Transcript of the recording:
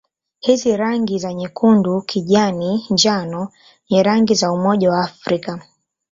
Hizi rangi za nyekundu-kijani-njano ni rangi za Umoja wa Afrika.